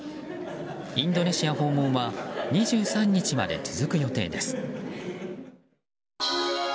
インドネシア訪問は２３日まで続く予定です。